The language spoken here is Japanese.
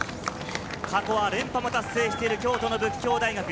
過去は連覇も達成している佛教大学。